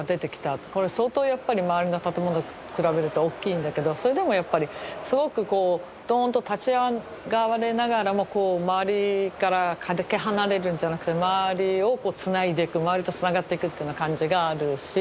これ相当やっぱり周りの建物比べると大きいんだけどそれでもやっぱりすごくこうドーンと立ち上がりながらもこう周りからかけ離れるんじゃなくて周りをつないでいく周りとつながっていくっていうような感じがあるし。